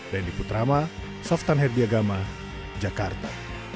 dendi putrama softan herbiagama jakarta